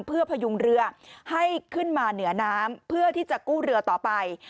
เพื่อพยุงเรือให้ขึ้นมาเหนือน้ำเพื่อที่จะกู้เรือต่อไป